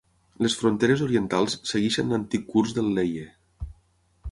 Les fronteres orientals segueixen l'antic curs del Leie.